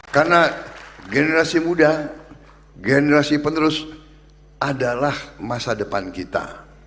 karena generasi muda generasi penerus adalah masa depan kita